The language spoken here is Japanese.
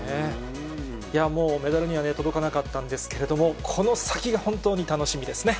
もうメダルには届かなかったんですけれども、この先が本当に楽しみですね。